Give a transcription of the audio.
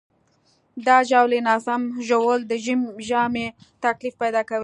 د ژاولې ناسم ژوول د ژامې تکلیف پیدا کولی شي.